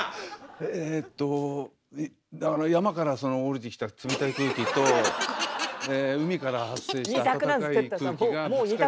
えとだから山から下りてきた冷たい空気と海から発生したあたたかい空気が。